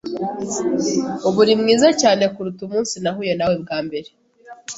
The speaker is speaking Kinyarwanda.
Ubu uri mwiza cyane kuruta umunsi nahuye nawe bwa mbere.